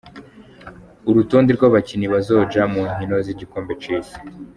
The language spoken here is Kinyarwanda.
Urutonde rw'abakinyi bazoja mu nkino z'igikombe c'isi .